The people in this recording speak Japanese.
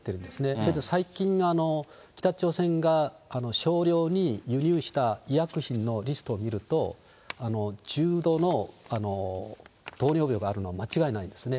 それで最近、北朝鮮が少量に輸入した医薬品のリストを見ると、重度の糖尿病があるのは間違いないですね。